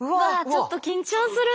ちょっと緊張する。